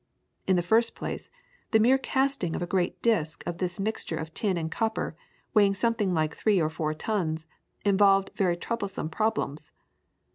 In the first place, the mere casting of a great disc of this mixture of tin and copper, weighing something like three or four tons, involved very troublesome problems.